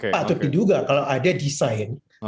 patut diduga kalau ada desain